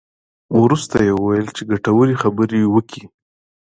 وروسته یې وویل چې ګټورې خبرې وکړې.